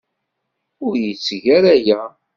Ur yetteg ara aya.